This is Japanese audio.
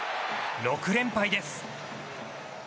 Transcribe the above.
６連敗です。